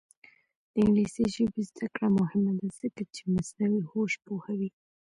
د انګلیسي ژبې زده کړه مهمه ده ځکه چې مصنوعي هوش پوهوي.